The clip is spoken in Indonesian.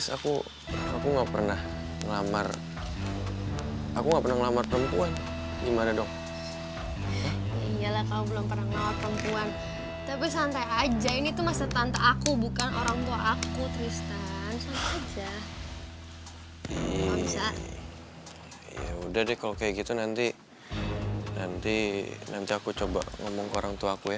yaudah deh kalau kayak gitu nanti nanti nanti aku coba ngomong ke orang tua aku ya